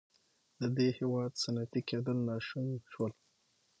د دې هېواد صنعتي کېدل ناشون شول.